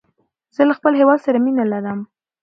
زه له خپل هيواد سره مینه لرم.